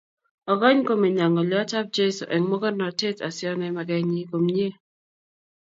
Okany komenyok ngoliot ab Jeso eng magornantet asionai makenyi komye